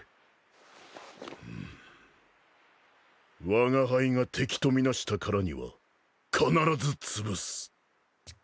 わが輩が敵と見なしたからには必ずつぶす。